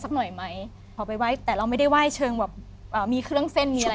หน่อยไหมเอาไปไหว้แต่เราไม่ได้ไหว้เชิงแบบอ่ามีเครื่องเส้นมีอะไร